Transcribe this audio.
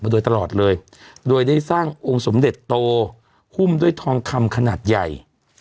โดยตลอดเลยโดยได้สร้างองค์สมเด็จโตหุ้มด้วยทองคำขนาดใหญ่